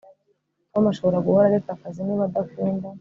Tom ashobora guhora areka akazi niba adakunda